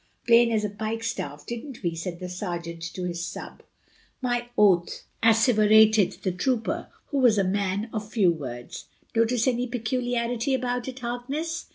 "Plain as a pikestaff, didn't we?" said the sergeant to his sub. "My oath!" asseverated the trooper, who was a man of few words. "Notice any peculiarity about it, Harkness?"